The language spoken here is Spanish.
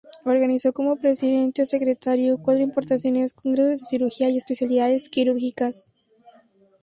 Organizó como Presidente o Secretario, cuatro importantes Congresos de Cirugía y Especialidades Quirúrgicas.